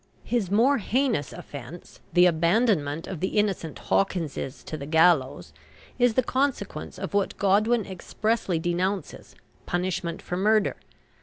His more heinous offence, the abandonment of the innocent Hawkinses to the gallows, is the consequence of what Godwin expressly denounces, punishment for murder.